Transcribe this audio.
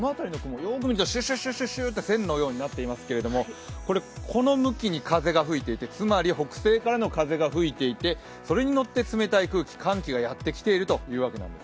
よく見るとシュシュシュと線のようになっていますけれども、これこの向きに風が吹いていてつまり北西からの風が吹いていてそれに乗って冷たい空気寒気がやってきているというわけなんです。